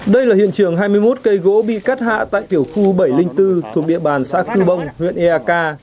đây là hiện trường hai mươi một cây gỗ bị cắt hạ tại tiểu khu bảy trăm linh bốn thuộc địa bàn xã cư bông huyện eak